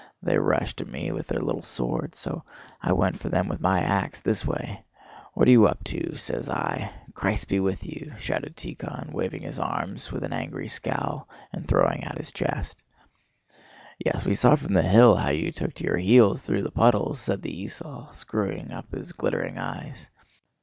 They rushed at me with their little swords. So I went for them with my ax, this way: 'What are you up to?' says I. 'Christ be with you!'" shouted Tíkhon, waving his arms with an angry scowl and throwing out his chest. "Yes, we saw from the hill how you took to your heels through the puddles!" said the esaul, screwing up his glittering eyes.